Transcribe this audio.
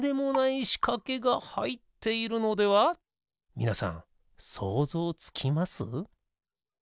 みなさんそうぞうつきます？